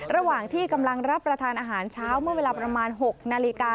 ระหว่างที่กำลังรับประทานอาหารเช้าเมื่อเวลาประมาณ๖นาฬิกา